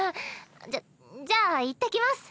じゃじゃあ行ってきます！